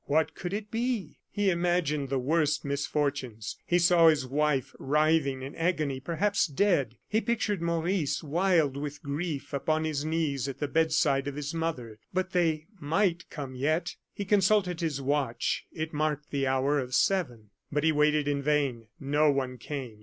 What could it be? He imagined the worst misfortunes. He saw his wife writhing in agony, perhaps dead. He pictured Maurice, wild with grief, upon his knees at the bedside of his mother. But they might come yet. He consulted his watch. It marked the hour of seven. But he waited in vain. No one came.